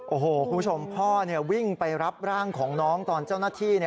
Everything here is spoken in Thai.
โอ้โหคุณผู้ชมพ่อวิ่งไปรับร่างของน้องตอนเจ้าหน้าที่